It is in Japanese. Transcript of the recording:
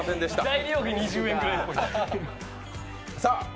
材料費２０円ぐらい。